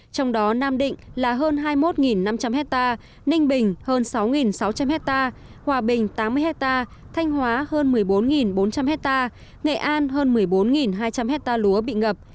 trong đó nam định là hơn hai mươi một năm trăm linh hecta ninh bình hơn sáu sáu trăm linh hecta hòa bình tám mươi hecta thanh hóa hơn một mươi bốn bốn trăm linh hecta nghệ an hơn một mươi bốn hai trăm linh hecta lúa bị ngập